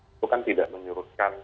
itu kan tidak menyurutkan